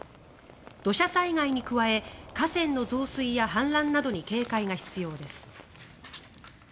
土砂災害に加え河川の増水や氾濫などに警戒が必要です。